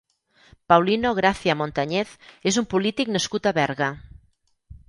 Paulino Gracia Montañez és un polític nascut a Berga.